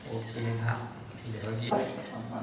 โอเคละทาง